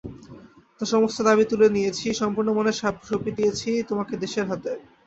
তাই আমার সমস্ত দাবি তুলে নিয়েছি, সম্পূর্ণমনে সঁপে দিয়েছি তোমাকে দেশের হাতে।